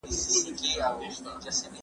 که دروازه خلاصه شي، هلک به راشي.